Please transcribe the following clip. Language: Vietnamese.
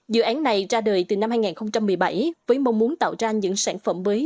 dự án này ra đời từ năm hai nghìn một mươi bảy với mong muốn tạo ra những sản phẩm mới